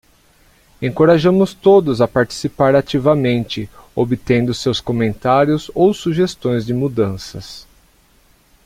Encorajamos todos a participar ativamente, obtendo seus comentários ou sugestões de mudanças.